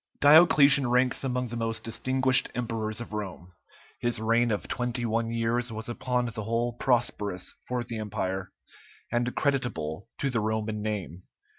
Diocletian ranks among the most distinguished emperors of Rome; his reign of twenty one years was upon the whole prosperous for the empire, and creditable to the Roman name.